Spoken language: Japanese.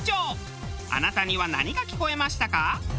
あなたには何が聞こえましたか？